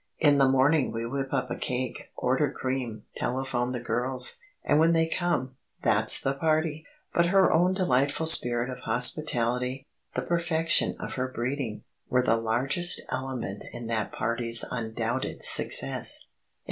"In the morning we whip up a cake, order cream, telephone the girls, and when they come, that's the party!" But her own delightful spirit of hospitality, the perfection of her breeding, were the largest element in that party's undoubted success.